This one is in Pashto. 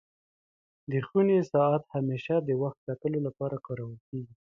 د خوني ساعت همېشه د وخت کتلو لپاره کارول کيږي.